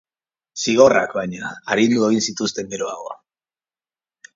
Zigorrak, baina, arindu egin zituzten geroago.